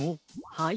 はい。